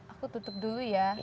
aku tutup dulu ya